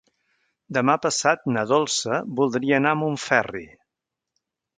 Demà passat na Dolça voldria anar a Montferri.